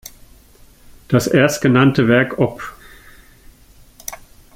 Das erstgenannte Werk op.